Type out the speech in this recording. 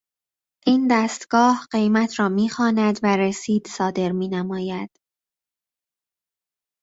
این دستگاه قیمت را میخواند و رسید صادر مینماید.